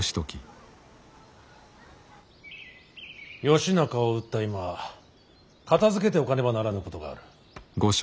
義仲を討った今片づけておかねばならぬことがある。